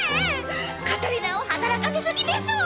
カタリナを働かせ過ぎでしょ！